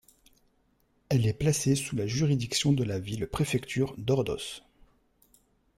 Elle est placée sous la juridiction de la ville-préfecture d'Ordos.